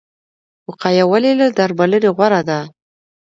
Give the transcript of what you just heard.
وقایه ولې له درملنې غوره ده؟